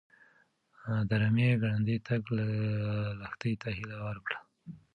د رمه ګړندی تګ لښتې ته هیله ورکړه.